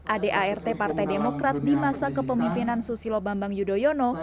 adart partai demokrat di masa kepemimpinan susilo bambang yudhoyono